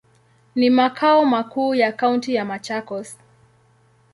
Ni makao makuu ya kaunti ya Machakos.